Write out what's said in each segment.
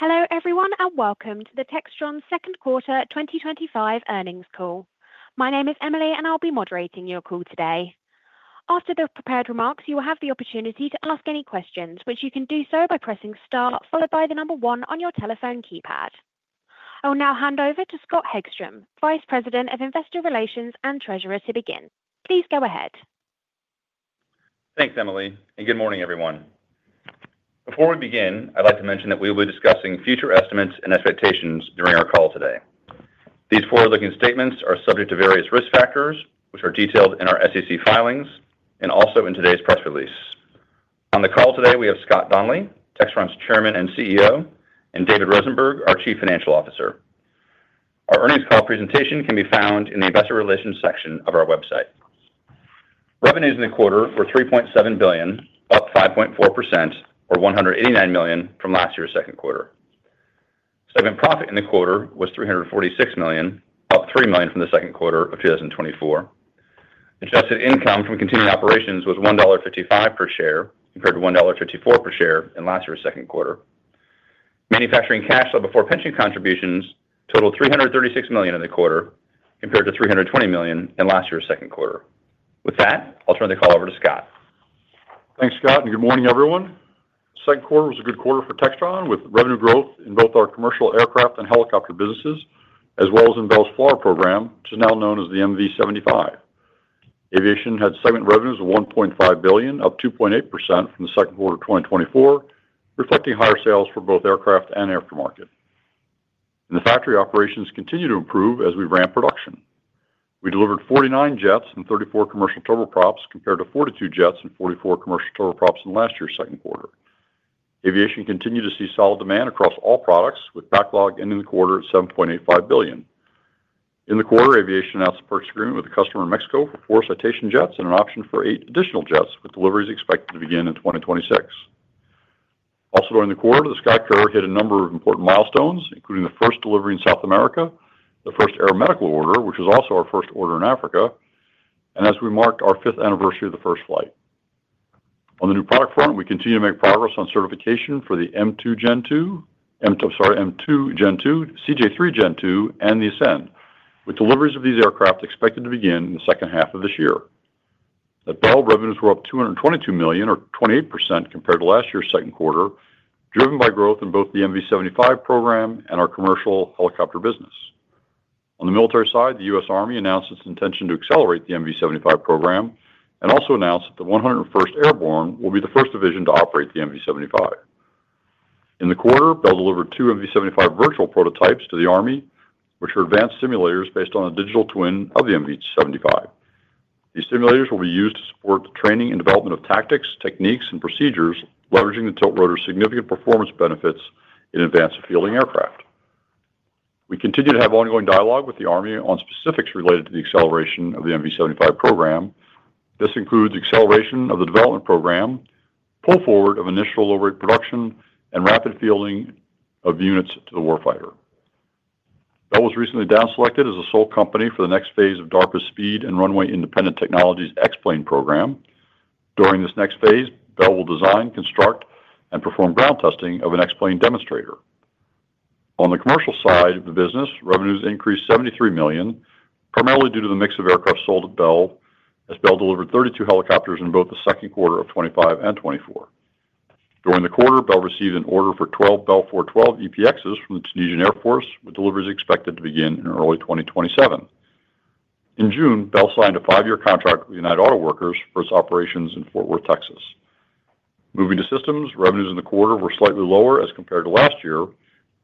Hello everyone and welcome to the Textron Second Quarter 2025 earnings call. My name is Emily and I'll be moderating your call today. After the prepared remarks, you will have the opportunity to ask any questions, which you can do so by pressing star followed by the number one on your telephone keypad. I will now hand over to Scott Hegstrom, Vice President of Investor Relations and Treasurer, to begin. Please go ahead. Thanks, Emily, and good morning everyone. Before we begin, I'd like to mention that we will be discussing future estimates and expectations during our call today. These forward-looking statements are subject to various risk factors, which are detailed in our SEC filings and also in today's press release. On the call today, we have Scott Donnelly, Textron's Chairman and CEO, and David Rosenberg, our Chief Financial Officer. Our earnings call presentation can be found in the Investor Relations section of our website. Revenues in the quarter were $3.7 billion, up 5.4%, or $189 million from last year's second quarter. Segment profit in the quarter was $346 million, up $3 million from the second quarter of 2024. Adjusted income from continuing operations was $1.55 per share compared to $1.54 per share in last year's second quarter. Manufacturing cash flow before pension contributions totaled $336 million in the quarter compared to $320 million in last year's second quarter. With that, I'll turn the call over to Scott. Thanks, Scott, and good morning everyone. The second quarter was a good quarter for Textron with revenue growth in both our commercial aircraft and helicopter businesses, as well as in Bell's FLRAA program, which is now known as the MV-75. Aviation had segment revenues of $1.5 billion, up 2.8%, from the second quarter of 2024, reflecting higher sales for both aircraft and aftermarket. In the factory, operations continue to improve as we ramp production. We delivered 49 jets and 34 commercial turboprops compared to 42 jets and 44 commercial turboprops in last year's second quarter. Aviation continued to see solid demand across all products, with backlog ending the quarter at $7.85 billion. In the quarter, Aviation announced a purchase agreement with a customer in Mexico for four Citation jets and an option for eight additional jets, with deliveries expected to begin in 2026. Also during the quarter, the SkyCourier hit a number of important milestones, including the first delivery in South America, the first aeromedical order, which was also our first order in Africa, and as we marked our fifth anniversary of the first flight. On the new product front, we continue to make progress on certification for the M2 Gen2, M2 Gen2, CJ3 Gen2, and the Ascend, with deliveries of these aircraft expected to begin in the second half of this year. At Bell, revenues were up $222 million, or 28%, compared to last year's second quarter, driven by growth in both the MV-75 program and our commercial helicopter business. On the military side, the U.S. Army announced its intention to accelerate the MV-75 program and also announced that the 101st Airborne will be the first division to operate the MV-75. In the quarter, Bell delivered two MV-75 virtual prototypes to the Army, which are advanced simulators based on a digital twin of the MV-75. These simulators will be used to support the training and development of tactics, techniques, and procedures, leveraging the tiltrotor's significant performance benefits in advanced fielding aircraft. We continue to have ongoing dialogue with the Army on specifics related to the acceleration of the MV-75 program. This includes acceleration of the development program, pull forward of initial low-rate production, and rapid fielding of units to the warfighter. Bell was recently down-selected as a sole company for the next phase of DARPA's Speed and Runway Independent Technologies X-Plane program. During this next phase, Bell will design, construct, and perform ground testing of an X-Plane demonstrator. On the commercial side of the business, revenues increased $73 million, primarily due to the mix of aircraft sold at Bell, as Bell delivered 32 helicopters in both the second quarter of 2025 and 2024. During the quarter, Bell received an order for 12 Bell 412EPXs from the Tunisian Air Force, with deliveries expected to begin in early 2027. In June, Bell signed a five-year contract with United Auto Workers for its operations in Fort Worth, Texas. Moving to systems, revenues in the quarter were slightly lower as compared to last year,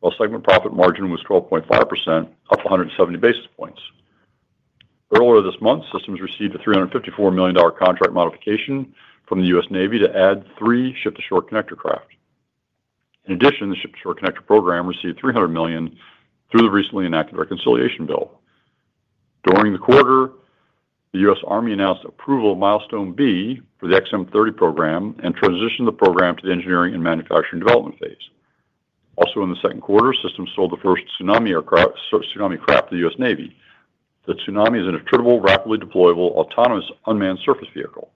while segment profit margin was 12.5%, up 170 basis points. Earlier this month, systems received a $354 million contract modification from the U.S. Navy to add three Ship-to-Shore Connector craft. In addition, the Ship-to-Shore Connector program received $300 million through the recently enacted reconciliation bill. During the quarter, the U.S. Army announced approval of Milestone B for the XM-30 program and transitioned the program to the engineering and manufacturing development phase. Also, in the second quarter, systems sold the first Tsunami aircraft, Tsunami Craft, to the U.S. Navy. The Tsunami is an attributable, rapidly deployable, autonomous, unmanned surface vehicle.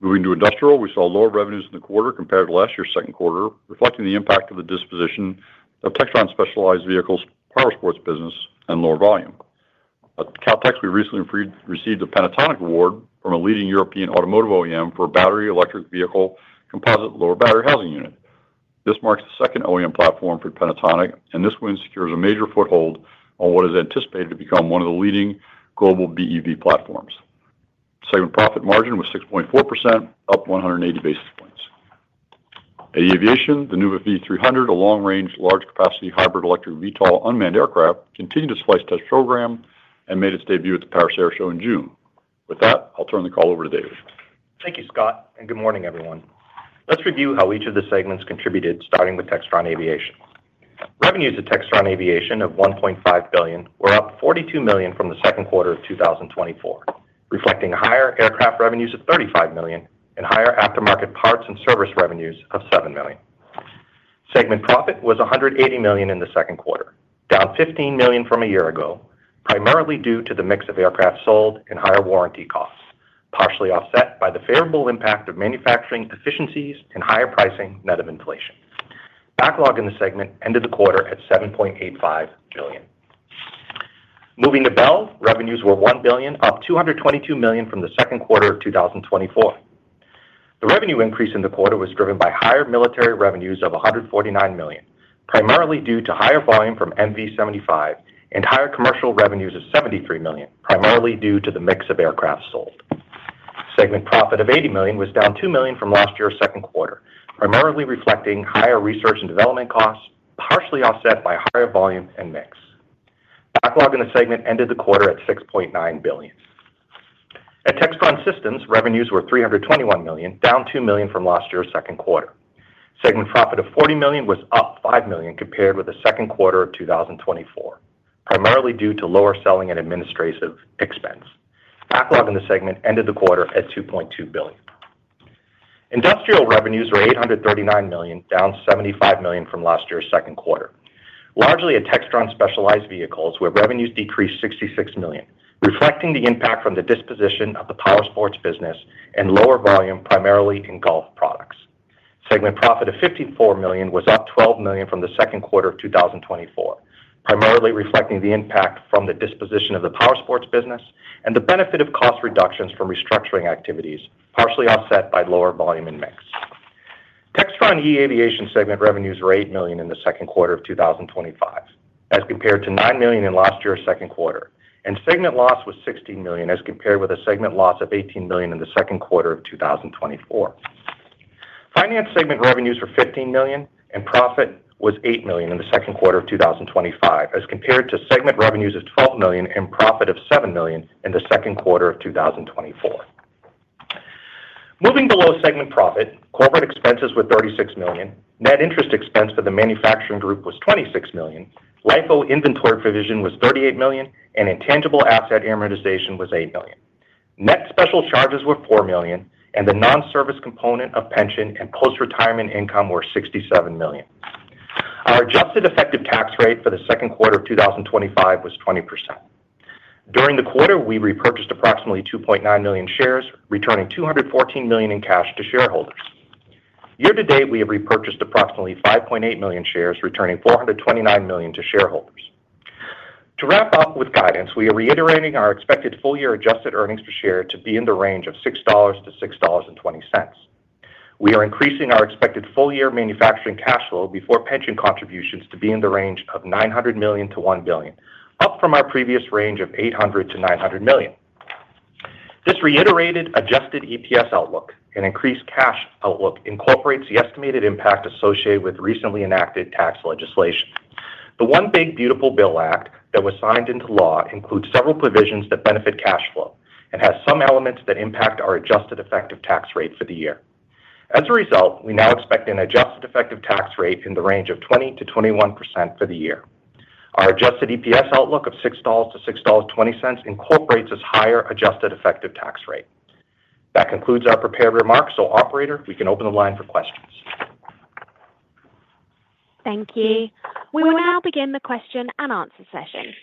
Moving to industrial, we saw lower revenues in the quarter compared to last year's second quarter, reflecting the impact of the disposition of Textron Specialized Vehicles, power sports business, and lower volume. At Kautex, we recently received a Panasonic award from a leading European automotive OEM for a battery electric vehicle composite lower battery housing unit. This marks the second OEM platform for Panasonic, and this win secures a major foothold on what is anticipated to become one of the leading global BEV platforms. Segment profit margin was 6.4%, up 180 basis points. At Aviation, the Nuuva V300, a long-range, large-capacity hybrid electric VTOL unmanned aircraft, continued its flight test program and made its debut at the Paris Air Show in June. With that, I'll turn the call over to David. Thank you, Scott, and good morning everyone. Let's review how each of the segments contributed, starting with Textron Aviation. Revenues at Textron Aviation of $1.5 billion were up $42 million from the second quarter of 2024, reflecting higher aircraft revenues of $35 million and higher aftermarket parts and service revenues of $7 million. Segment profit was $180 million in the second quarter, down $15 million from a year ago, primarily due to the mix of aircraft sold and higher warranty costs, partially offset by the favorable impact of manufacturing efficiencies and higher pricing net of inflation. Backlog in the segment ended the quarter at $7.85 billion. Moving to Bell, revenues were $1 billion, up $222 million from the second quarter of 2024. The revenue increase in the quarter was driven by higher military revenues of $149 million, primarily due to higher volume from MV-75 and higher commercial revenues of $73 million, primarily due to the mix of aircraft sold. Segment profit of $80 million was down $2 million from last year's second quarter, primarily reflecting higher research and development costs, partially offset by higher volume and mix. Backlog in the segment ended the quarter at $6.9 billion. At Textron Systems, revenues were $321 million, down $2 million from last year's second quarter. Segment profit of $40 million was up $5 million compared with the second quarter of 2024, primarily due to lower selling and administrative expense. Backlog in the segment ended the quarter at $2.2 billion. Industrial revenues were $839 million, down $75 million from last year's second quarter. Largely at Textron Specialized Vehicles where revenues decreased $66 million, reflecting the impact from the disposition of the power sports business and lower volume primarily in golf products. Segment profit of $54 million was up $12 million from the second quarter of 2024, primarily reflecting the impact from the disposition of the power sports business and the benefit of cost reductions from restructuring activities, partially offset by lower volume and mix. Textron eAviation segment revenues were $8 million in the second quarter of 2025, as compared to $9 million in last year's second quarter, and segment loss was $16 million as compared with a segment loss of $18 million in the second quarter of 2024. Finance segment revenues were $15 million, and profit was $8 million in the second quarter of 2025, as compared to segment revenues of $12 million and profit of $7 million in the second quarter of 2024. Moving below segment profit, corporate expenses were $36 million, net interest expense for the manufacturing group was $26 million, LIFO inventory provision was $38 million, and intangible asset amortization was $8 million. Net special charges were $4 million, and the non-service component of pension and post-retirement income were $67 million. Our adjusted effective tax rate for the second quarter of 2025 was 20%. During the quarter, we repurchased approximately 2.9 million shares, returning $214 million in cash to shareholders. Year to date, we have repurchased approximately 5.8 million shares, returning $429 million to shareholders. To wrap up with guidance, we are reiterating our expected full-year adjusted earnings per share to be in the range of $6-$6.20. We are increasing our expected full-year manufacturing cash flow before pension contributions to be in the range of $900 million-$1 billion, up from our previous range of $800-$900 million. This reiterated adjusted EPS outlook and increased cash outlook incorporates the estimated impact associated with recently enacted tax legislation. The One Big Beautiful Bill Act that was signed into law includes several provisions that benefit cash flow and has some elements that impact our adjusted effective tax rate for the year. As a result, we now expect an adjusted effective tax rate in the range of 20%-21% for the year. Our adjusted EPS outlook of $6-$6.20 incorporates this higher adjusted effective tax rate. That concludes our prepared remarks. So, operator, we can open the line for questions. Thank you. We will now begin the question and answer session.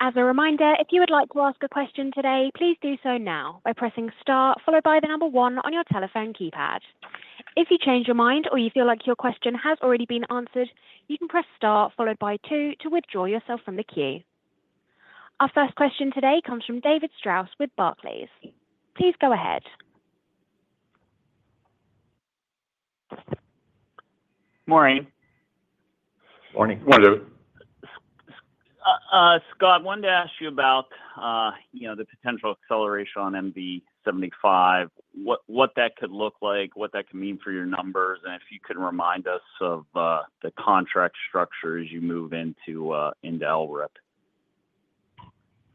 As a reminder, if you would like to ask a question today, please do so now by pressing star followed by the number one on your telephone keypad. If you change your mind or you feel like your question has already been answered, you can press star followed by two to withdraw yourself from the queue. Our first question today comes from David Strauss with Barclays. Please go ahead. Morning. Morning. Scott, I wanted to ask you about the potential acceleration on MV-75, what that could look like, what that could mean for your numbers, and if you could remind us of the contract structure as you move into ELRIP.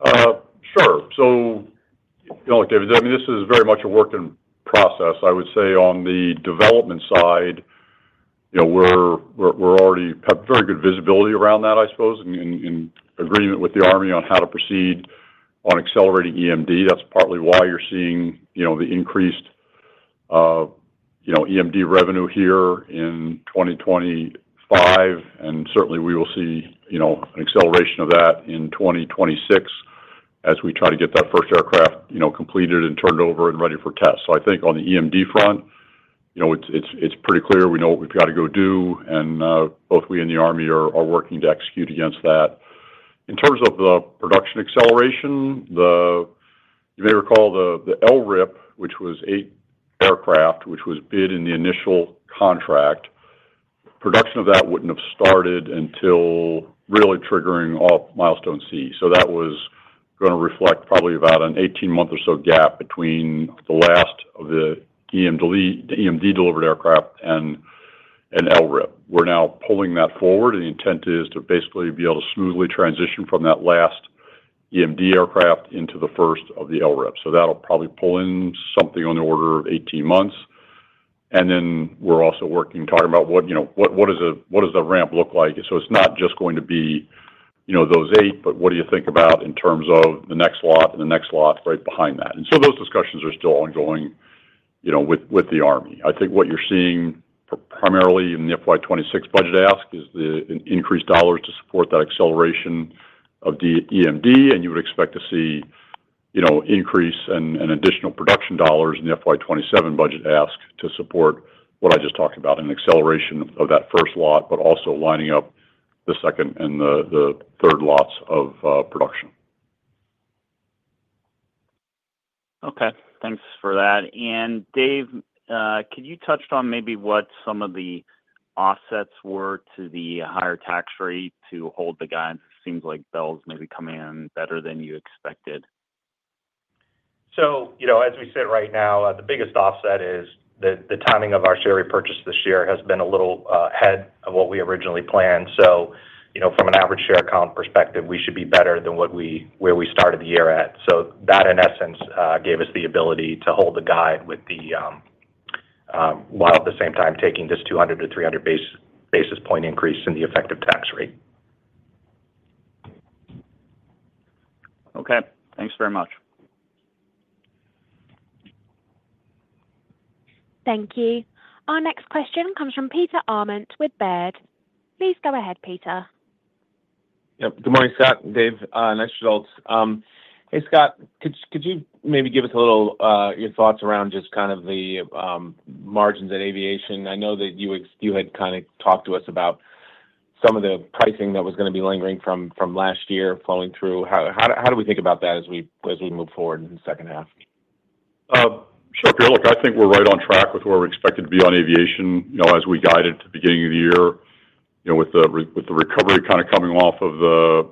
Sure. I mean, this is very much a work in process, I would say, on the development side. We already have very good visibility around that, I suppose, in agreement with the Army on how to proceed on accelerating EMD. That's partly why you're seeing the increased EMD revenue here in 2025, and certainly we will see an acceleration of that in 2026 as we try to get that first aircraft completed and turned over and ready for tests. I think on the EMD front, it's pretty clear we know what we've got to go do, and both we and the Army are working to execute against that. In terms of the production acceleration, you may recall the ELRIP, which was eight aircraft, which was bid in the initial contract. Production of that wouldn't have started until really triggering off Milestone C. That was going to reflect probably about an 18-month or so gap between the last of the EMD-delivered aircraft and ELRIP. We're now pulling that forward. The intent is to basically be able to smoothly transition from that last EMD aircraft into the first of the ELRIP. That'll probably pull in something on the order of 18 months. We're also working, talking about what does the ramp look like. It's not just going to be those eight, but what do you think about in terms of the next lot and the next lot right behind that? Those discussions are still ongoing with the Army. I think what you're seeing primarily in the FY26 budget ask is the increased dollars to support that acceleration of the EMD, and you would expect to see increase and additional production dollars in the FY27 budget ask to support what I just talked about, an acceleration of that first lot, but also lining up the second and the third lots of production. Okay. Thanks for that. Dave, could you touch on maybe what some of the offsets were to the higher tax rate to hold the guidance? It seems like Bell's maybe coming in better than you expected. As we sit right now, the biggest offset is the timing of our share repurchase this year has been a little ahead of what we originally planned. From an average share account perspective, we should be better than where we started the year at. That, in essence, gave us the ability to hold the guide while at the same time taking this 200-300 basis point increase in the effective tax rate. Okay. Thanks very much. Thank you. Our next question comes from Peter Arment with Baird. Please go ahead, Peter. Yep. Good morning, Scott. Dave, nice results. Hey, Scott, could you maybe give us a little your thoughts around just kind of the margins at aviation? I know that you had kind of talked to us about some of the pricing that was going to be lingering from last year flowing through. How do we think about that as we move forward in the second half? Sure. I think we're right on track with where we're expected to be on aviation as we guided at the beginning of the year with the recovery kind of coming off of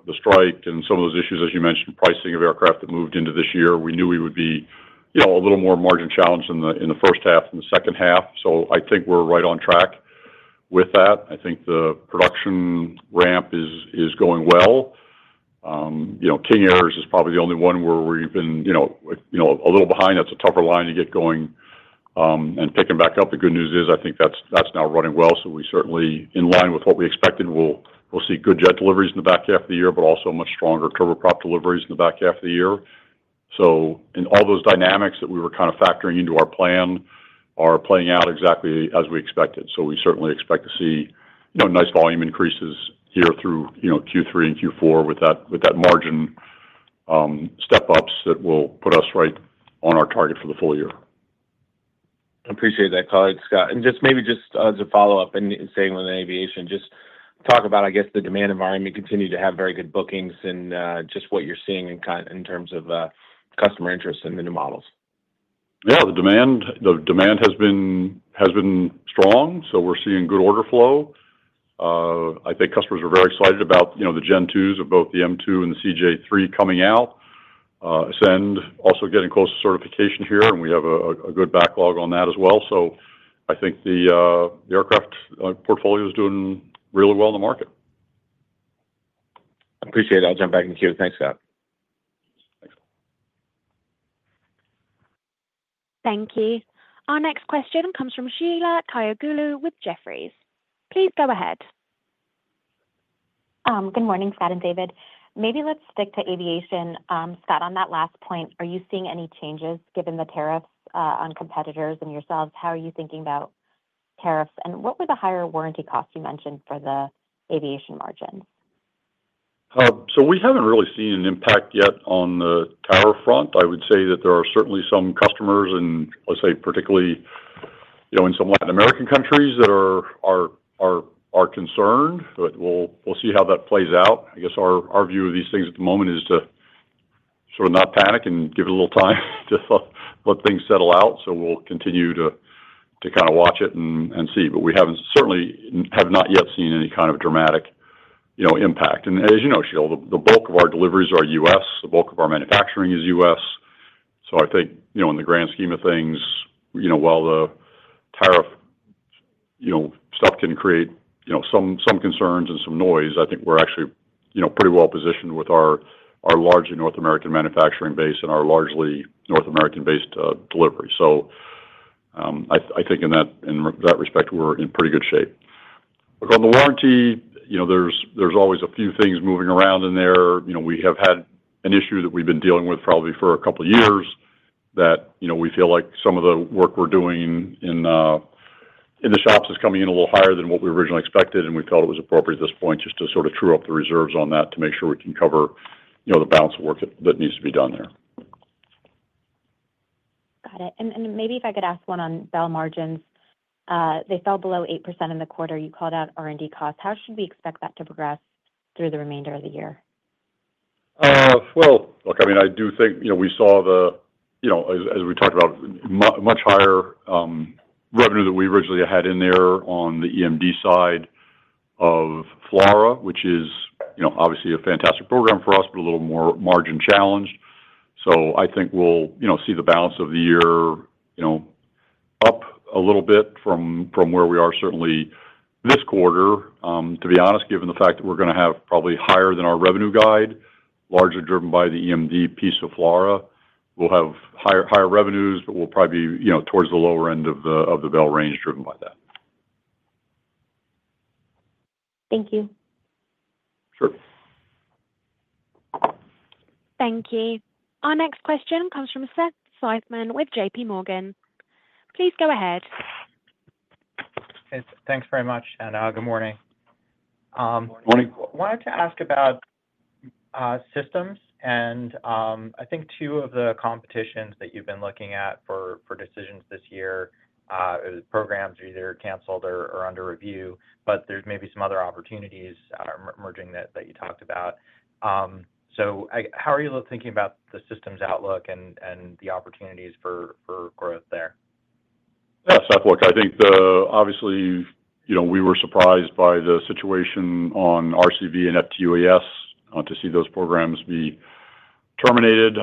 the strike and some of those issues, as you mentioned, pricing of aircraft that moved into this year. We knew we would be a little more margin challenged in the first half and the second half. I think we're right on track with that. I think the production ramp is going well. King Airs is probably the only one where we've been a little behind. That's a tougher line to get going. Picking back up, the good news is I think that's now running well. We certainly, in line with what we expected, will see good jet deliveries in the back half of the year, but also much stronger turboprop deliveries in the back half of the year. In all those dynamics that we were kind of factoring into our plan are playing out exactly as we expected. We certainly expect to see nice volume increases here through Q3 and Q4 with that margin step-ups that will put us right on our target for the full year. I appreciate that, Scott. Just maybe just as a follow-up and staying with aviation, just talk about, I guess, the demand environment continuing to have very good bookings and just what you're seeing in terms of customer interest in the new models. Yeah. The demand has been strong. We are seeing good order flow. I think customers are very excited about the Gen2s of both the M2 and the CJ3 coming out. Ascend also getting close to certification here, and we have a good backlog on that as well. I think the aircraft portfolio is doing really well in the market. Appreciate it. I'll jump back in the queue. Thanks, Scott. Thank you. Our next question comes from Sheila Kahyaoglu with Jefferies. Please go ahead. Good morning, Scott and David. Maybe let's stick to aviation. Scott, on that last point, are you seeing any changes given the tariffs on competitors and yourselves? How are you thinking about tariffs and what were the higher warranty costs you mentioned for the aviation margins? We have not really seen an impact yet on the tariff front. I would say that there are certainly some customers in, let's say, particularly in some Latin American countries that are concerned. We will see how that plays out. I guess our view of these things at the moment is to sort of not panic and give it a little time to let things settle out. We will continue to kind of watch it and see. We certainly have not yet seen any kind of dramatic impact. As you know, Sheila, the bulk of our deliveries are U.S. The bulk of our manufacturing is U.S. I think in the grand scheme of things, while the tariff stuff can create some concerns and some noise, I think we are actually pretty well positioned with our large North American manufacturing base and our largely North American-based delivery. I think in that respect, we are in pretty good shape. On the warranty, there are always a few things moving around in there. We have had an issue that we have been dealing with probably for a couple of years that we feel like some of the work we are doing in the shops is coming in a little higher than what we originally expected, and we felt it was appropriate at this point just to sort of true up the reserves on that to make sure we can cover the balance of work that needs to be done there. Got it. Maybe if I could ask one on Bell margins. They fell below 8% in the quarter. You called out R&D costs. How should we expect that to progress through the remainder of the year? I mean, I do think we saw the, as we talked about, much higher revenue than we originally had in there on the EMD side of FLRAA, which is obviously a fantastic program for us, but a little more margin challenged. I think we'll see the balance of the year up a little bit from where we are certainly this quarter. To be honest, given the fact that we're going to have probably higher than our revenue guide, largely driven by the EMV piece of FLRAA, we'll have higher revenues, but we'll probably be towards the lower end of the Bell range driven by that. Thank you. Sure. Thank you. Our next question comes from Seth Seifman with JPMorgan. Please go ahead. Hey, thanks very much, and good morning. Good morning. I wanted to ask about Systems. And I think two of the competitions that you've been looking at for decisions this year, programs are either canceled or under review, but there's maybe some other opportunities emerging that you talked about. How are you thinking about the Systems outlook and the opportunities for growth there? Yeah, Seth look, I think obviously we were surprised by the situation on RCV and FTUAS to see those programs be terminated.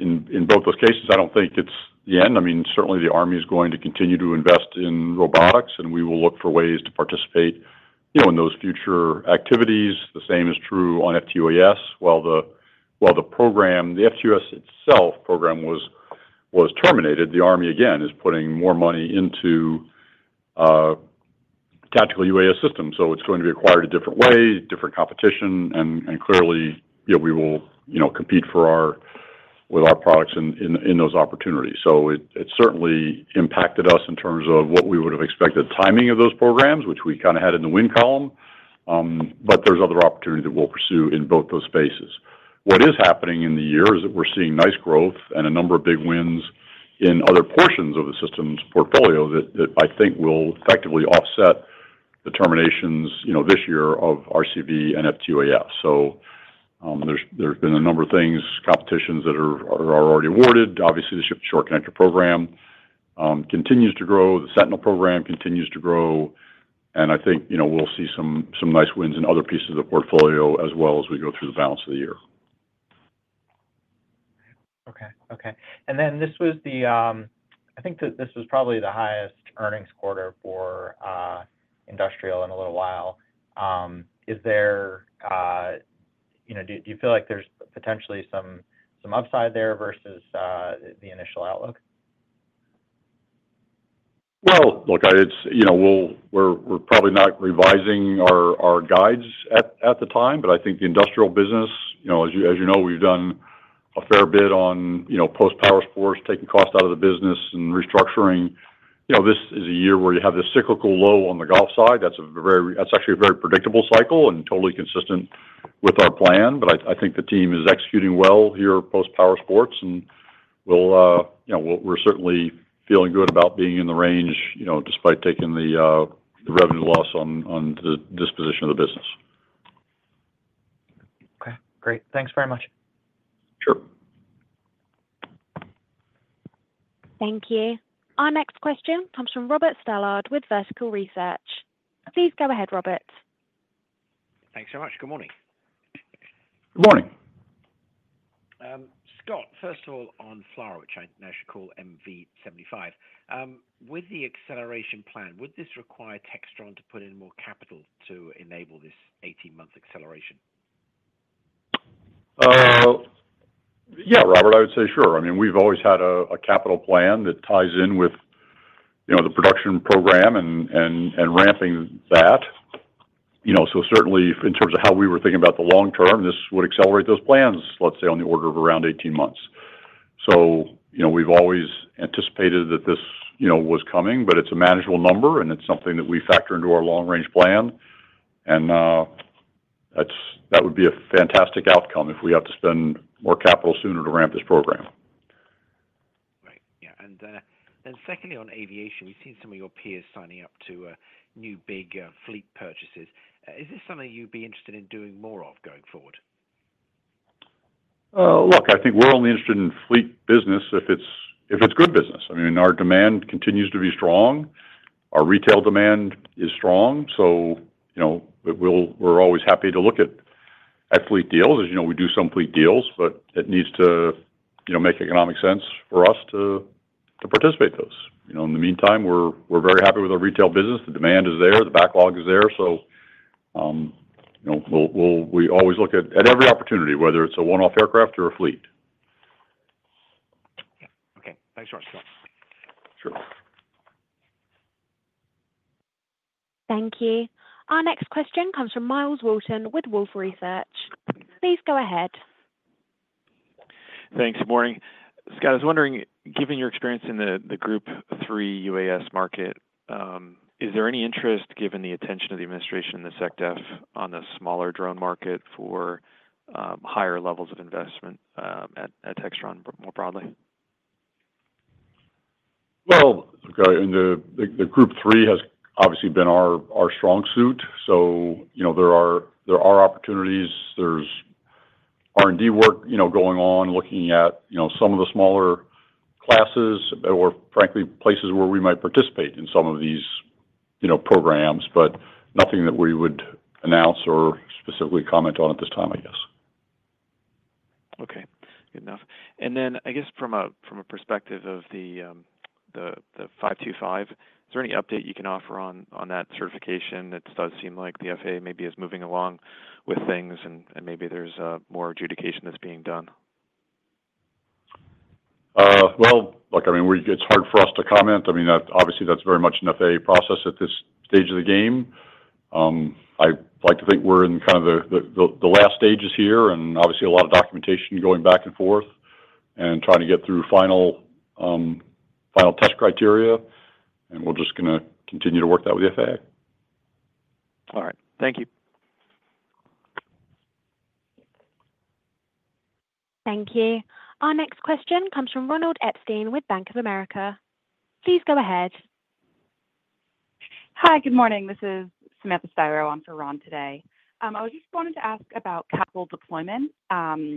In both those cases, I do not think it is the end. I mean, certainly the Army is going to continue to invest in robotics, and we will look for ways to participate in those future activities. The same is true on FTUAS. While the FTUAS program was terminated, the Army, again, is putting more money into tactical UAS systems. It is going to be acquired a different way, different competition, and clearly we will compete with our products in those opportunities. It certainly impacted us in terms of what we would have expected timing of those programs, which we kind of had in the win column. There are other opportunities that we will pursue in both those spaces. What is happening in the year is that we are seeing nice growth and a number of big wins in other portions of the systems portfolio that I think will effectively offset the terminations this year of RCV and FTUAS. There have been a number of things, competitions that are already awarded. Obviously, the Ship-to-Shore Connector program continues to grow. The Sentinel program continues to grow. I think we will see some nice wins in other pieces of the portfolio as we go through the balance of the year. Okay. Okay. This was the, I think that this was probably the highest earnings quarter for Industrial in a little while. Is there, do you feel like there's potentially some upside there versus the initial outlook? Look, we're probably not revising our guides at the time, but I think the industrial business, as you know, we've done a fair bit on post-power sports, taking costs out of the business and restructuring. This is a year where you have this cyclical low on the golf side. That is actually a very predictable cycle and totally consistent with our plan. I think the team is executing well here post-power sports, and we're certainly feeling good about being in the range despite taking the revenue loss on the disposition of the business. Okay. Great. Thanks very much. Thank you. Our next question comes from Robert Stallard with Vertical Research. Please go ahead, Robert. Thanks so much. Good morning. Good morning. Scott, first of all, on FLRAA, which I now should call MV-75. With the acceleration plan, would this require Textron to put in more capital to enable this 18-month acceleration? Yeah, Robert, I would say sure. I mean, we've always had a capital plan that ties in with the production program and ramping that. Certainly, in terms of how we were thinking about the long term, this would accelerate those plans, let's say, on the order of around 18 months. We've always anticipated that this was coming, but it's a manageable number, and it's something that we factor into our long-range plan. That would be a fantastic outcome if we have to spend more capital sooner to ramp this program. Right. Yeah. And then secondly, on aviation, we've seen some of your peers signing up to new big fleet purchases. Is this something you'd be interested in doing more of going forward? Look, I think we're only interested in fleet business if it's good business. I mean, our demand continues to be strong. Our retail demand is strong. We're always happy to look at fleet deals. As you know, we do some fleet deals, but it needs to make economic sense for us to participate in those. In the meantime, we're very happy with our retail business. The demand is there. The backlog is there. We always look at every opportunity, whether it's a one-off aircraft or a fleet. Yeah. Okay. Thanks very much, Scott. Sure. Thank you. Our next question comes from Myles Walton with Wolfe Research. Please go ahead. Thanks. Good morning. Scott, I was wondering, given your experience in the Group 3 UAS market, is there any interest, given the attention of the administration and the SecDef, on a smaller drone market for higher levels of investment at Textron more broadly? Okay. The Group 3 has obviously been our strong suit. There are opportunities. There is R&D work going on, looking at some of the smaller classes or, frankly, places where we might participate in some of these programs, but nothing that we would announce or specifically comment on at this time, I guess. Okay. Good enough. Then, I guess, from a perspective of the 525, is there any update you can offer on that certification? That does seem like the FAA maybe is moving along with things and maybe there's more adjudication that's being done? I mean, it's hard for us to comment. I mean, obviously, that's very much an FAA process at this stage of the game. I'd like to think we're in kind of the last stages here and obviously a lot of documentation going back and forth and trying to get through final test criteria. We're just going to continue to work that with the FAA. All right. Thank you. Thank you. Our next question comes from Ronald Epstein with Bank of America. Please go ahead. Hi, good morning. This is Samantha Stiroh. I'm for Ron today. I was just wanting to ask about capital deployment.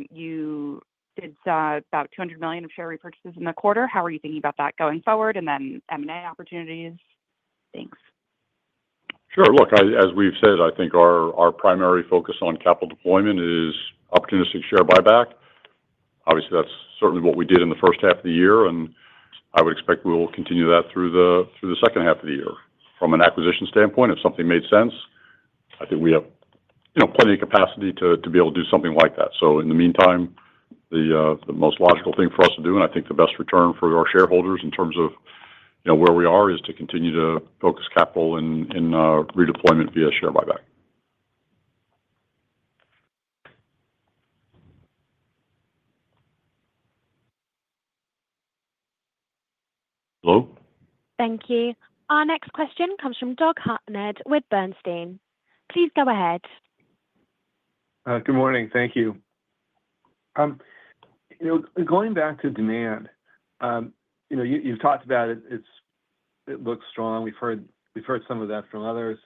You did about $200 million of share repurchases in the quarter. How are you thinking about that going forward? And then M&A opportunities. Thanks. Sure. Look, as we've said, I think our primary focus on capital deployment is opportunistic share buyback. Obviously, that's certainly what we did in the first half of the year. I would expect we will continue that through the second half of the year. From an acquisition standpoint, if something made sense, I think we have plenty of capacity to be able to do something like that. In the meantime, the most logical thing for us to do, and I think the best return for our shareholders in terms of where we are, is to continue to focus capital in redeployment via share buyback. Hello? Thank you. Our next question comes from Doug Harned with Bernstein. Please go ahead. Good morning. Thank you. Going back to demand. You've talked about it. It looks strong. We've heard some of that from others.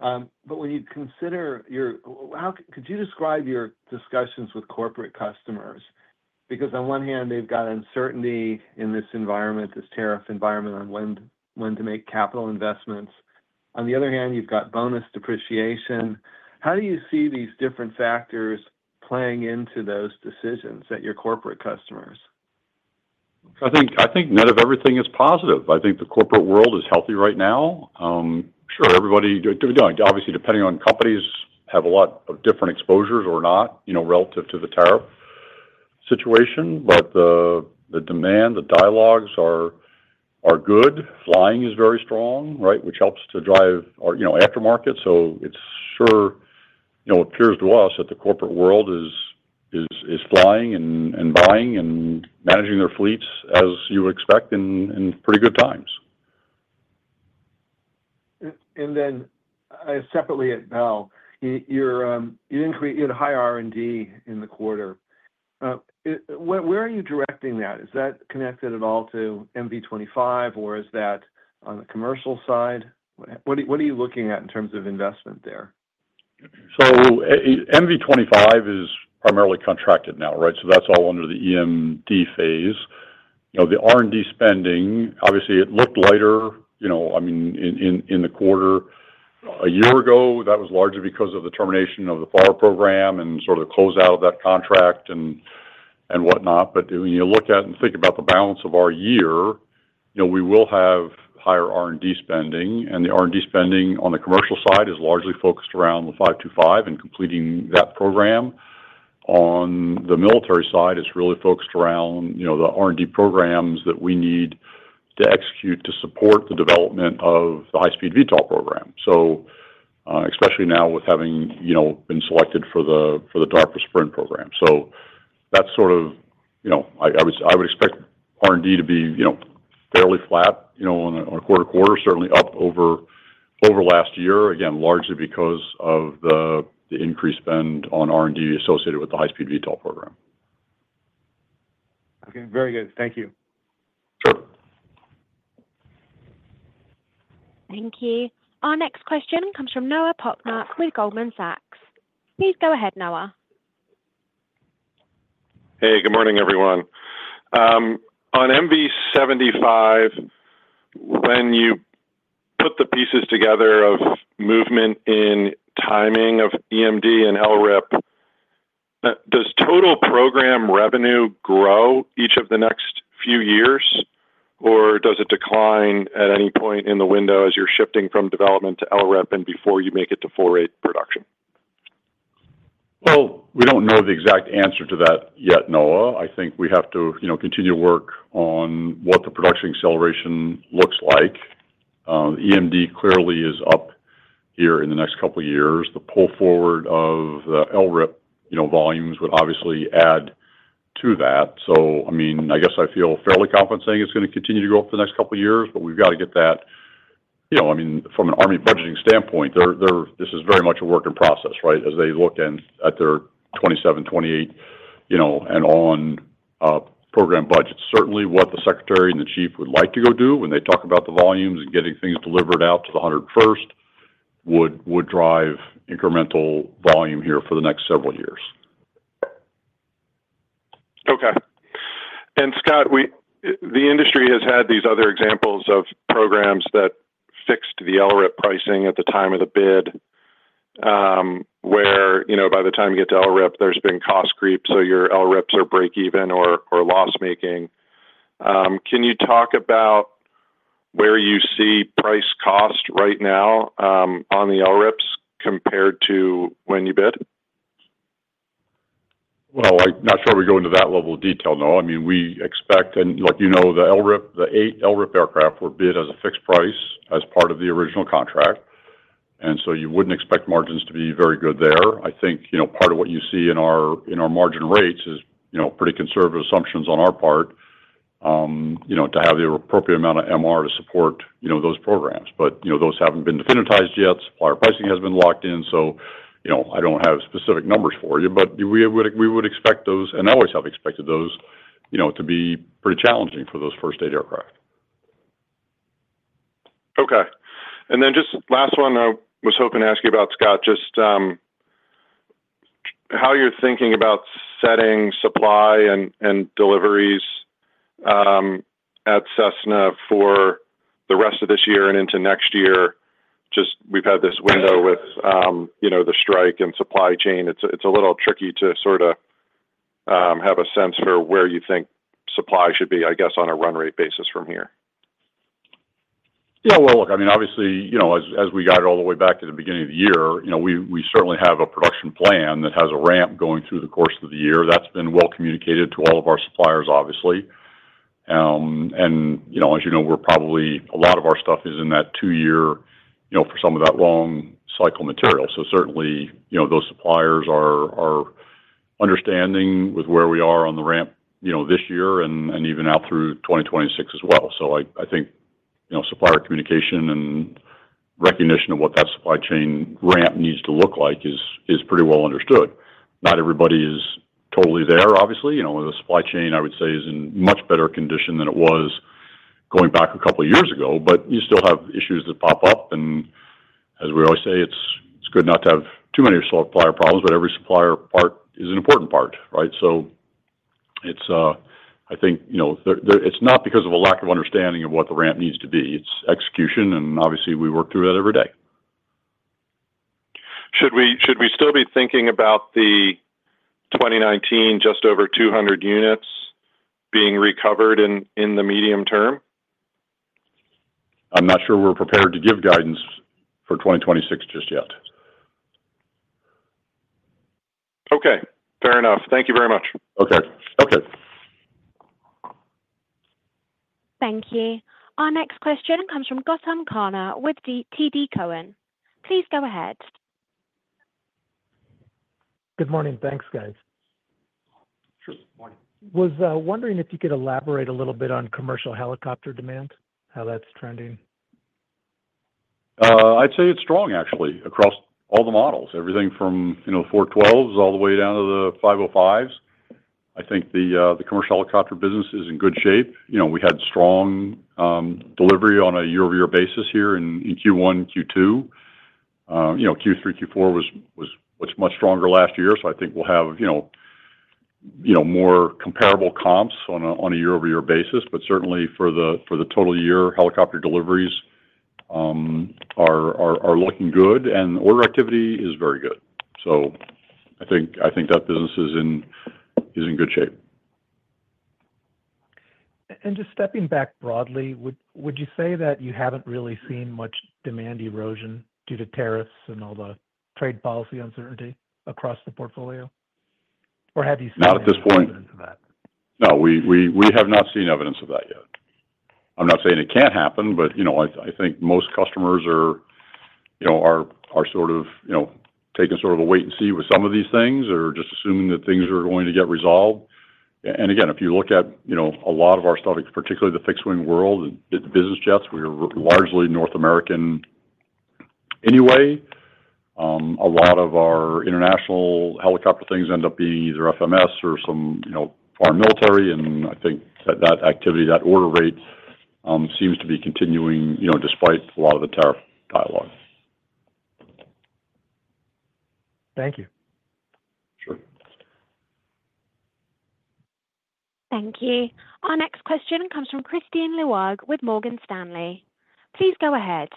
When you consider your—could you describe your discussions with corporate customers? On one hand, they've got uncertainty in this environment, this tariff environment, on when to make capital investments. On the other hand, you've got bonus depreciation. How do you see these different factors playing into those decisions at your corporate customers? I think none of everything is positive. I think the corporate world is healthy right now. Sure. Everybody, obviously, depending on companies, has a lot of different exposures or not relative to the tariff situation. But the demand, the dialogues are good. Flying is very strong, right, which helps to drive our aftermarket. It sure appears to us that the corporate world is flying and buying and managing their fleets, as you would expect, in pretty good times. Then separately at Bell. You had high R&D in the quarter. Where are you directing that? Is that connected at all to MV-25, or is that on the commercial side? What are you looking at in terms of investment there? MV-25 is primarily contracted now, right? That is all under the EMD phase. The R&D spending, obviously, it looked lighter, I mean, in the quarter. A year ago, that was largely because of the termination of the FLRAA program and sort of the closeout of that contract and whatnot. When you look at and think about the balance of our year, we will have higher R&D spending. The R&D spending on the commercial side is largely focused around the 525 and completing that program. On the military side, it is really focused around the R&D programs that we need to execute to support the development of the high-speed VTOL program, especially now with having been selected for the DARPA SPRINT program. I would expect R&D to be fairly flat on a quarter-to-quarter, certainly up over last year, again, largely because of the increased spend on R&D associated with the high-speed VTOL program. Okay. Very good. Thank you. Thank you. Our next question comes from Noah Poponak with Goldman Sachs. Please go ahead, Noah. Hey, good morning, everyone. On MV-75. When you put the pieces together of movement in timing of EMD and LREP, does total program revenue grow each of the next few years, or does it decline at any point in the window as you're shifting from development to ELRIP and before you make it to full-rate production? I do not know the exact answer to that yet, Noah. I think we have to continue to work on what the production acceleration looks like. EMD clearly is up here in the next couple of years. The pull forward of the ELRIP volumes would obviously add to that. I mean, I guess I feel fairly confident saying it is going to continue to grow for the next couple of years, but we have got to get that—I mean, from an Army budgeting standpoint, this is very much a work in process, right, as they look at their 2027, 2028 and on program budgets. Certainly, what the secretary and the chief would like to go do when they talk about the volumes and getting things delivered out to the 101st would drive incremental volume here for the next several years. Okay. Scott, the industry has had these other examples of programs that fixed the ELRIP pricing at the time of the bid. Where by the time you get to ELRIP, there's been cost creep, so your ELRIPs are break-even or loss-making. Can you talk about where you see price cost right now on the ELRIPs compared to when you bid? I'm not sure we go into that level of detail, no. I mean, we expect—and like you know, the ELRIP, the eight ELRIP aircraft were bid as a fixed price as part of the original contract. You would not expect margins to be very good there. I think part of what you see in our margin rates is pretty conservative assumptions on our part to have the appropriate amount of MR to support those programs. Those have not been definitized yet. Supplier pricing has been locked in. I do not have specific numbers for you, but we would expect those—and I always have expected those—to be pretty challenging for those first eight aircraft. Okay. And then just last one, I was hoping to ask you about, Scott, just how you're thinking about setting supply and deliveries at Cessna for the rest of this year and into next year. Just we've had this window with the strike and supply chain. It's a little tricky to sort of have a sense for where you think supply should be, I guess, on a run-rate basis from here. Yeah. Look, I mean, obviously, as we got it all the way back to the beginning of the year, we certainly have a production plan that has a ramp going through the course of the year. That has been well communicated to all of our suppliers, obviously. As you know, probably a lot of our stuff is in that two-year for some of that long-cycle material. Certainly, those suppliers are understanding with where we are on the ramp this year and even out through 2026 as well. I think supplier communication and recognition of what that supply chain ramp needs to look like is pretty well understood. Not everybody is totally there, obviously. The supply chain, I would say, is in much better condition than it was going back a couple of years ago, but you still have issues that pop up. As we always say, it is good not to have too many supplier problems, but every supplier part is an important part, right? I think it is not because of a lack of understanding of what the ramp needs to be. It is execution. Obviously, we work through that every day. Should we still be thinking about the 2019 just over 200 units being recovered in the medium term? I'm not sure we're prepared to give guidance for 2026 just yet. Okay. Fair enough. Thank you very much. Okay. Okay. Thank you. Our next question comes from Gotham Connor with TD Cowen. Please go ahead. Good morning. Thanks, guys. Sure. Good morning. Was wondering if you could elaborate a little bit on commercial helicopter demand, how that's trending. I'd say it's strong, actually, across all the models. Everything from the 412s all the way down to the 505s. I think the commercial helicopter business is in good shape. We had strong delivery on a year-over-year basis here in Q1 and Q2. Q3, Q4 was much stronger last year. I think we'll have more comparable comps on a year-over-year basis. Certainly, for the total year, helicopter deliveries are looking good. Order activity is very good. I think that business is in good shape. Just stepping back broadly, would you say that you haven't really seen much demand erosion due to tariffs and all the trade policy uncertainty across the portfolio? Or have you seen evidence of that? Not at this point. No. We have not seen evidence of that yet. I'm not saying it can't happen, but I think most customers are sort of taking sort of a wait-and-see with some of these things or just assuming that things are going to get resolved. If you look at a lot of our stuff, particularly the fixed-wing world and business jets, we're largely North American anyway. A lot of our international helicopter things end up being either FMS or some foreign military. I think that activity, that order rate, seems to be continuing despite a lot of the tariff dialogue. Thank you. Sure. Thank you. Our next question comes from Christine LuEG with Morgan Stanley. Please go ahead.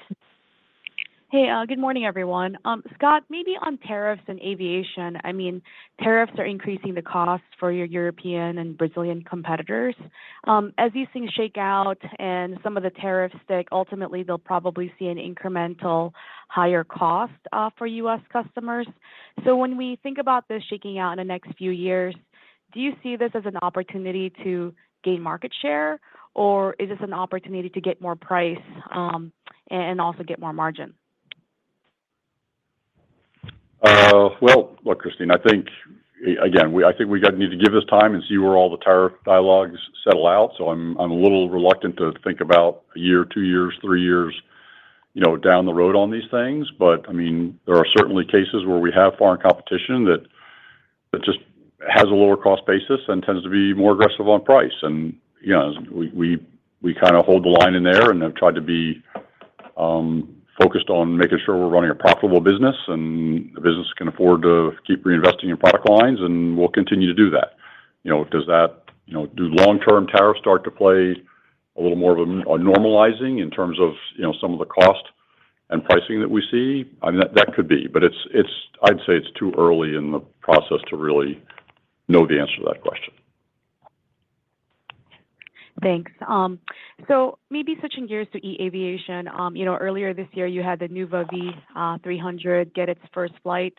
Hey, good morning, everyone. Scott, maybe on tariffs and aviation, I mean, tariffs are increasing the cost for your European and Brazilian competitors. As these things shake out and some of the tariffs stick, ultimately, they'll probably see an incremental higher cost for U.S. customers. When we think about this shaking out in the next few years, do you see this as an opportunity to gain market share, or is this an opportunity to get more price and also get more margin? Look, Christine, I think, again, I think we need to give this time and see where all the tariff dialogues settle out. I'm a little reluctant to think about a year, two years, three years down the road on these things. I mean, there are certainly cases where we have foreign competition that just has a lower cost basis and tends to be more aggressive on price. We kind of hold the line in there and have tried to be focused on making sure we're running a profitable business and the business can afford to keep reinvesting in product lines, and we'll continue to do that. Do long-term tariffs start to play a little more of a normalizing in terms of some of the cost and pricing that we see? I mean, that could be. I'd say it's too early in the process to really know the answer to that question. Thanks. Maybe switching gears to eAviation. Earlier this year, you had the Nuuva V300 get its first flight.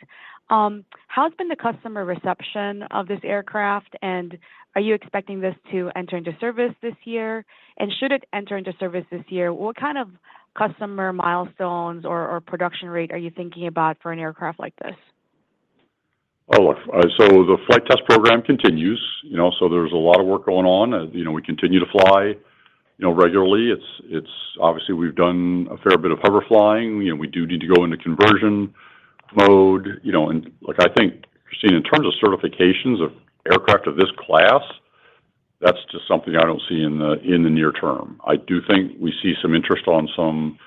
How's been the customer reception of this aircraft? Are you expecting this to enter into service this year? Should it enter into service this year, what kind of customer milestones or production rate are you thinking about for an aircraft like this? Oh, look, the flight test program continues. There is a lot of work going on. We continue to fly regularly. Obviously, we have done a fair bit of hover flying. We do need to go into conversion mode. I think, Christine, in terms of certifications of aircraft of this class, that is just something I do not see in the near term. I do think we see some interest on some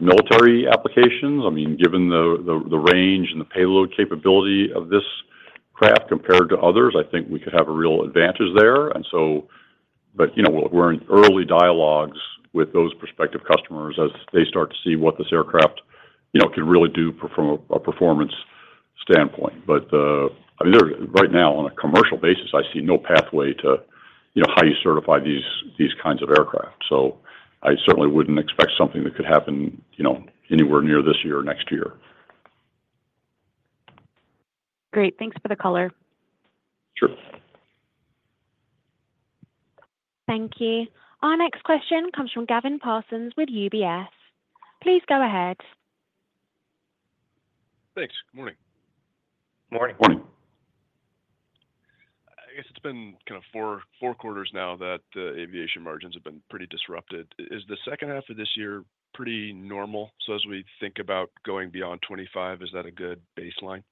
military applications. I mean, given the range and the payload capability of this craft compared to others, I think we could have a real advantage there. We are in early dialogues with those prospective customers as they start to see what this aircraft could really do from a performance standpoint. I mean, right now, on a commercial basis, I see no pathway to how you certify these kinds of aircraft. I certainly would not expect something that could happen anywhere near this year or next year. Great. Thanks for the color. Sure. Thank you. Our next question comes from Gavin Parsons with UBS. Please go ahead. Thanks. Good morning. Good morning. Morning. I guess it's been kind of four quarters now that aviation margins have been pretty disrupted. Is the second half of this year pretty normal? As we think about going beyond 2025, is that a good baseline?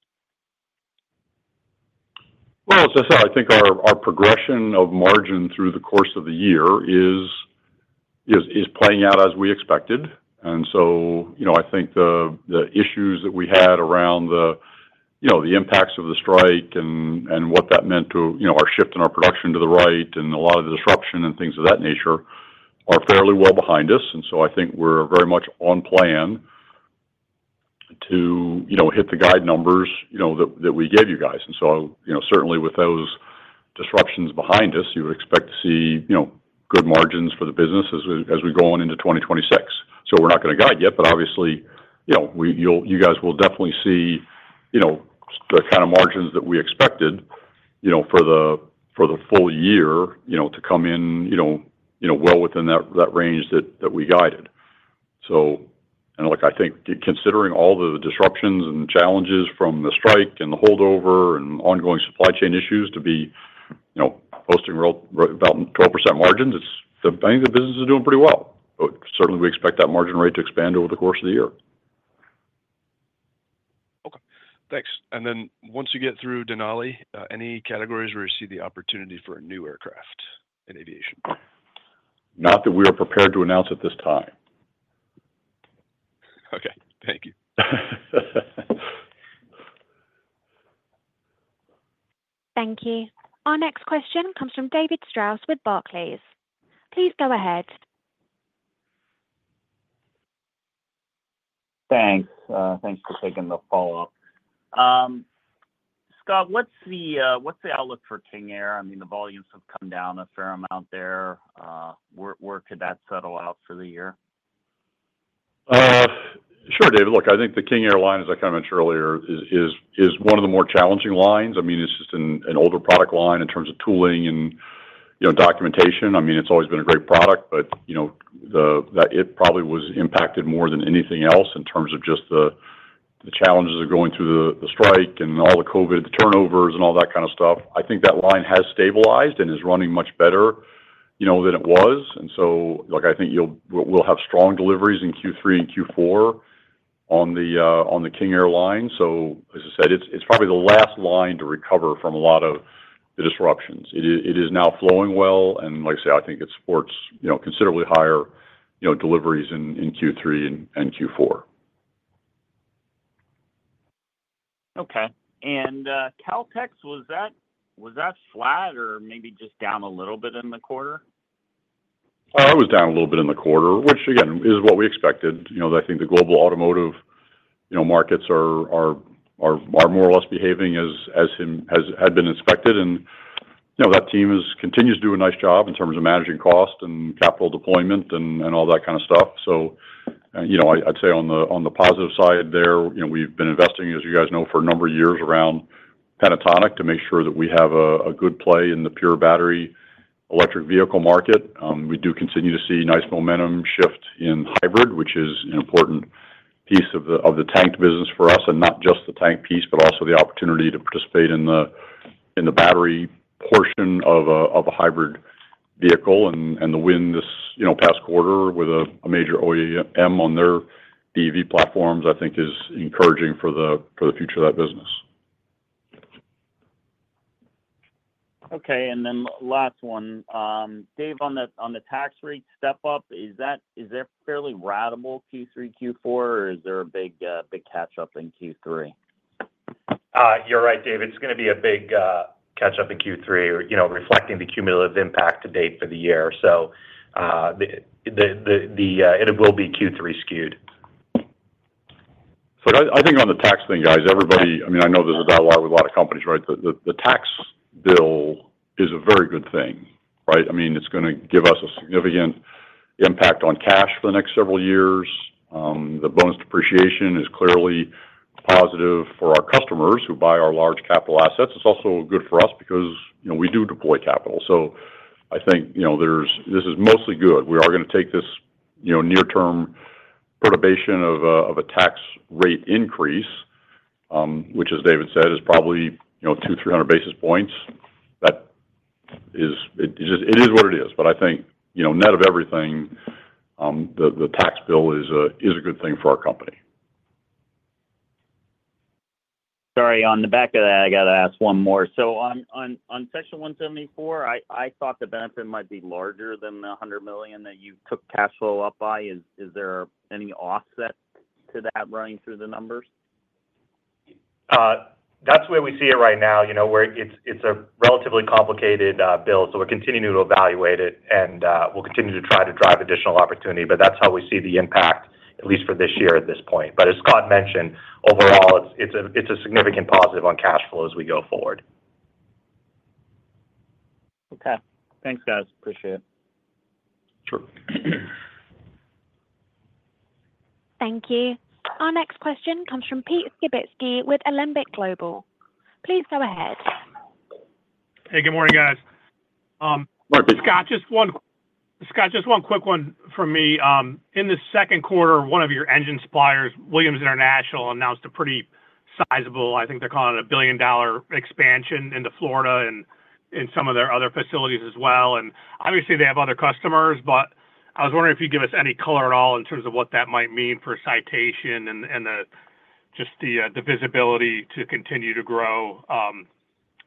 I think our progression of margin through the course of the year is playing out as we expected. I think the issues that we had around the impacts of the strike and what that meant to our shift in our production to the right and a lot of the disruption and things of that nature are fairly well behind us. I think we're very much on plan to hit the guide numbers that we gave you guys. Certainly, with those disruptions behind us, you would expect to see good margins for the business as we go on into 2026. We're not going to guide yet, but obviously you guys will definitely see the kind of margins that we expected for the full year to come in well within that range that we guided. I think considering all the disruptions and challenges from the strike and the holdover and ongoing supply chain issues, to be posting about 12% margins, I think the business is doing pretty well. Certainly, we expect that margin rate to expand over the course of the year. Okay. Thanks. Once you get through Denali, any categories where you see the opportunity for a new aircraft in aviation? Not that we are prepared to announce at this time. Okay. Thank you. Thank you. Our next question comes from David Strauss with Barclays. Please go ahead. Thanks. Thanks for taking the follow-up. Scott, what's the outlook for King Air? I mean, the volumes have come down a fair amount there. Where could that settle out for the year? Sure, David. Look, I think the King Air line, as I kind of mentioned earlier, is one of the more challenging lines. I mean, it's just an older product line in terms of tooling and documentation. I mean, it's always been a great product, but it probably was impacted more than anything else in terms of just the challenges of going through the strike and all the COVID, the turnovers, and all that kind of stuff. I think that line has stabilized and is running much better than it was. I think we'll have strong deliveries in Q3 and Q4 on the King Air line. As I said, it's probably the last line to recover from a lot of the disruptions. It is now flowing well. Like I say, I think it supports considerably higher deliveries in Q3 and Q4. Okay. And Kautex, was that flat or maybe just down a little bit in the quarter? It was down a little bit in the quarter, which, again, is what we expected. I think the global automotive markets are more or less behaving as had been expected. That team continues to do a nice job in terms of managing cost and capital deployment and all that kind of stuff. I'd say on the positive side there, we've been investing, as you guys know, for a number of years around Panasonic to make sure that we have a good play in the pure battery electric vehicle market. We do continue to see nice momentum shift in hybrid, which is an important piece of the tank business for us. Not just the tank piece, but also the opportunity to participate in the battery portion of a hybrid vehicle. The win this past quarter with a major OEM on their EV platforms, I think, is encouraging for the future of that business. Okay. And then last one. Dave, on the tax rate step-up, is there fairly ratable Q3, Q4, or is there a big catch-up in Q3? You're right, David. It's going to be a big catch-up in Q3, reflecting the cumulative impact to date for the year. It will be Q3 skewed. I think on the tax thing, guys, everybody—I mean, I know there is a dialogue with a lot of companies, right? The tax bill is a very good thing, right? I mean, it is going to give us a significant impact on cash for the next several years. The bonus depreciation is clearly positive for our customers who buy our large capital assets. It is also good for us because we do deploy capital. I think this is mostly good. We are going to take this near-term perturbation of a tax rate increase, which, as David said, is probably 200-300 basis points. It is what it is. I think, net of everything, the tax bill is a good thing for our company. Sorry, on the back of that, I got to ask one more. On Section 174, I thought the benefit might be larger than the $100 million that you took cash flow up by. Is there any offset to that running through the numbers? That's where we see it right now, where it's a relatively complicated bill. We are continuing to evaluate it, and we'll continue to try to drive additional opportunity. That's how we see the impact, at least for this year at this point. As Scott mentioned, overall, it's a significant positive on cash flow as we go forward. Okay. Thanks, guys. Appreciate it. Sure. Thank you. Our next question comes from Pete Skibitzki with Alembic Global. Please go ahead. Hey, good morning, guys. Scott, just one. Just one quick one from me. In the second quarter, one of your engine suppliers, Williams International, announced a pretty sizable—I think they're calling it a billion-dollar expansion—into Florida and some of their other facilities as well. Obviously, they have other customers, but I was wondering if you'd give us any color at all in terms of what that might mean for Citation and just the visibility to continue to grow.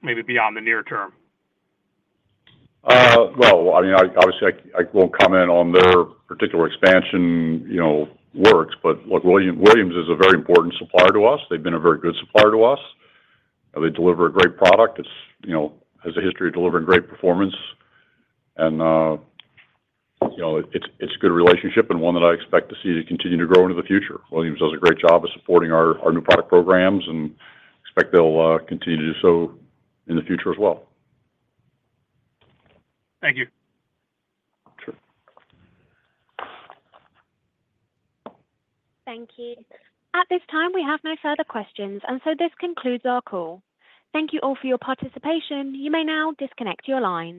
Maybe beyond the near term. I mean, obviously, I won't comment on their particular expansion works. Look, Williams is a very important supplier to us. They've been a very good supplier to us. They deliver a great product. It has a history of delivering great performance. It's a good relationship and one that I expect to see continue to grow into the future. Williams does a great job of supporting our new product programs and expect they'll continue to do so in the future as well. Thank you. Thank you. At this time, we have no further questions. This concludes our call. Thank you all for your participation. You may now disconnect your line.